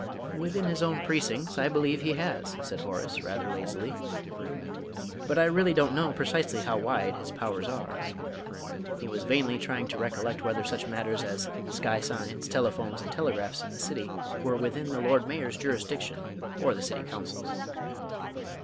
"Within his own precincts, I believe he has," said Horace, rather lazily, "but I really don't know precisely how wide his powers are." He was vainly trying to recollect whether such matters as sky signs, telephones, and telegraphs in the City were within the Lord Mayor's jurisdiction or the County Council's.